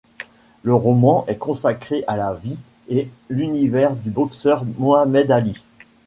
Le roman est consacré à la vie et l'univers du boxeur Mohamed Ali.